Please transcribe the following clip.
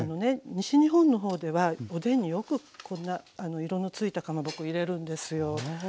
西日本の方ではおでんによくこんな色のついたかまぼこ入れるんですよ。